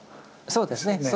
そうですね。